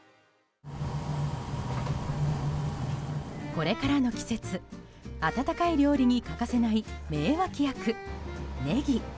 これからの季節、温かい料理に欠かせない名脇役、ネギ。